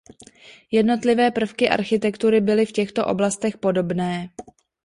Jednotlivé prvky architektury byly v těchto oblastech podobné.